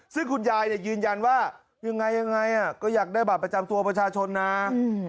ซึ่งคุณยายเนี่ยยืนยันว่ายังไงยังไงก็อยากได้บัตรประจำตัวประชาชนนะ